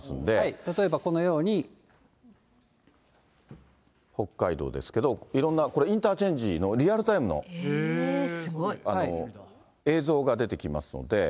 例えばこのように、北海道ですけど、いろんな、これ、インターチェンジのリアルタイムの映像が出てきますので。